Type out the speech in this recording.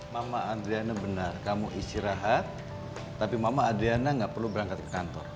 mama adriana benar kamu istirahat tapi mama adriana nggak perlu berangkat ke kantor